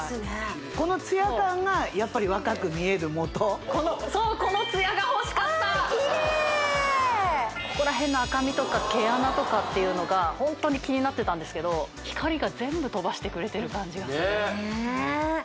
このツヤ感がやっぱり若く見えるもとこのそう・ああキレイここら辺の赤みとか毛穴とかっていうのがホントに気になってたんですけど光が全部飛ばしてくれてる感じがするねえねえ